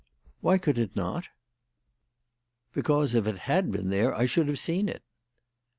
"Why could it not?" "Because if it had been there I should have seen it."